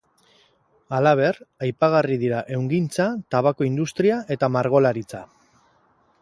Halaber, aipagarri dira ehungintza, tabako industria eta margolaritza.